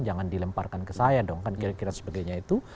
jangan dilemparkan ke saya dong kan kira kira sebagainya itu